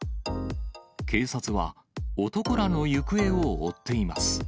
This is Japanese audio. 警察は男らの行方を追っています。